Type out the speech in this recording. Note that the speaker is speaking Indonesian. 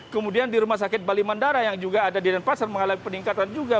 kemudian di rumah sakit bali mandara yang juga ada di denpasar mengalami peningkatan juga